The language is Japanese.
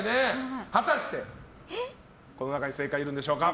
果たしてこの中に正解いるんでしょうか。